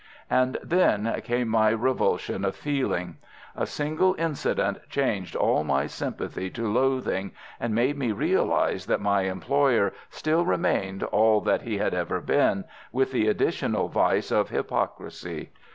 And then came my revulsion of feeling. A single incident changed all my sympathy to loathing, and made me realize that my employer still remained all that he had ever been, with the additional vice of hypocrisy.